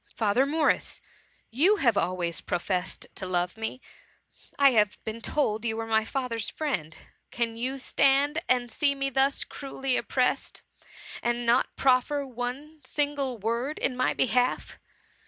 Father Morris, you have always professed to love me. I have been told THE MUMMT. 108 you were my father's friend. Can you stand and see me thus cruelly oppressed, and not proffer one single word in my behalf?